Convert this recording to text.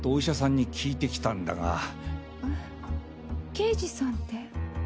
刑事さんって。